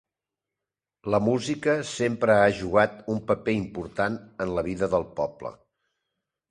La música sempre ha jugat un paper important en la vida del poble.